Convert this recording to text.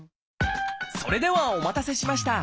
それではお待たせしました！